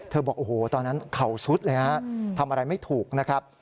บอกโอ้โหตอนนั้นเข่าซุดเลยฮะทำอะไรไม่ถูกนะครับ